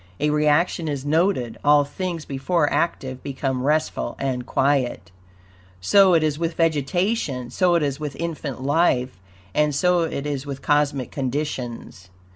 A reaction is noted; all things before active become restful and quiet. So it is with vegetation, so it is with infant life, and so it is with cosmic conditions.